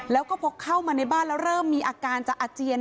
แล้วก็พอเข้ามาในบ้านแล้วเริ่มมีอาการจะอาเจียน